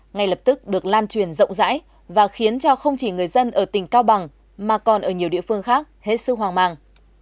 ngay lập tức được lan truyền rộng rãi và khiến cho không chỉ người dân ở tỉnh cao bằng mà còn ở nhiều địa phương khác hết sức hoang mang